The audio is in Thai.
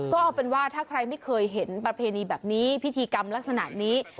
ก็เอาเป็นว่าถ้าใครไม่เคยเห็นประเพณีแบบนี้พิธีกรรมลักษณะนี้